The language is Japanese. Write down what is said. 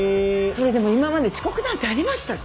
それでも今まで遅刻なんてありましたっけ？